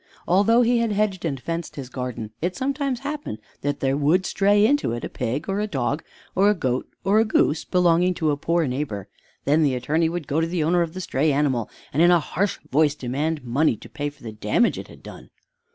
Although he had hedged and fenced his garden, it sometimes happened that there would stray into it a pig, or a dog, or a goat, or a goose belonging to a poor neighbor. Then the attorney would go to the owner of the stray animal and in a harsh voice demand money to pay for the damage it had done.